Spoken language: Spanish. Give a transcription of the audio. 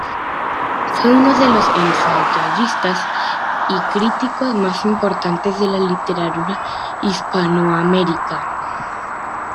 Fue uno de los ensayistas y críticos más importantes de la literatura hispanoamericana.